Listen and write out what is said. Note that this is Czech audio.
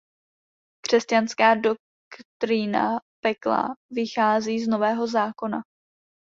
Křesťanská doktrína pekla vychází z Nového zákona.